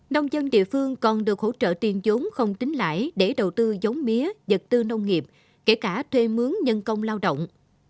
nông dân địa phương còn được hỗ trợ tiền giống không tính lại để đầu tư giống mía dật tư nông nghiệp kể cả thuê mướn nhân công lao động